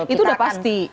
itu udah pasti